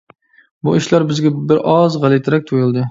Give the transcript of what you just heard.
بۇ ئىشلار بىزگە بىر ئاز غەلىتىرەك تۇيۇلدى.